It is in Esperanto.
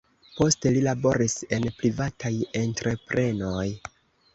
Poste li laboris en privataj entreprenoj.